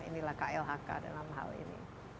inilah klhk dalam hal ini